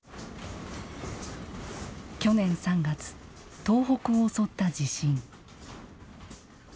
去年３月東北を襲った地震。